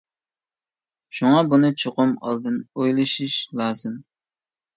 شۇڭا بۇنى چوقۇم ئالدىن ئويلىشىش لازىم.